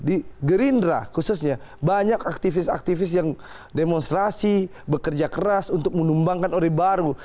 di gerindra khususnya banyak aktivis aktivis yang demonstrasi bekerja keras untuk menumbangkan orde baru